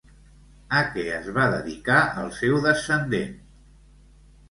A què es va dedicar el seu descendent?